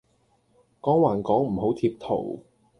講還講唔好貼圖